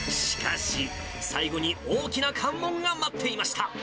しかし、最後に大きな関門が待っていました。